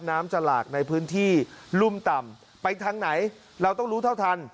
น้ำจะหลากในพื้นที่รุ่มต่ำไปทางไหนเราต้องรู้เท่าทัน